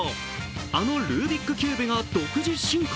あのルービックキューブが独自進化？